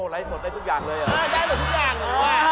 ไลฟ์สดได้ทุกอย่างเลยเหรอ